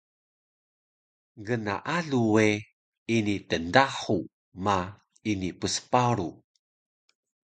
Gnaalu we ini tndahu ma ini psparu